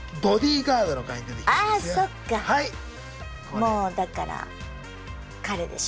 もうだから彼でしょ？